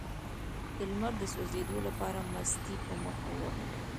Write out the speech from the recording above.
د لمر د سوځیدو لپاره مستې په مخ ووهئ